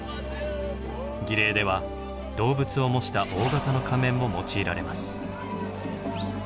儀礼では動物を模した大型の仮面も用いられます。